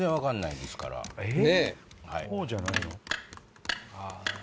こうじゃないの？